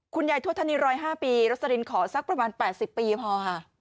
คุณยายทัวร์ธันนี่๑๐๕ปีแล้วสารินขอสักประมาณ๘๐ปีพอค่ะ